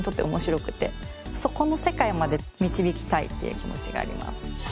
そこの世界まで導きたいっていう気持ちがあります。